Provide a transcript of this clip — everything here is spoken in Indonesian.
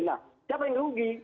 nah siapa yang rugi